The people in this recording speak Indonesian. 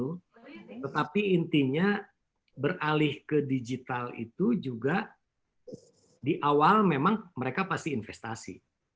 tetapi intinya beralih ke digital itu juga di awal memang mereka pasti investasi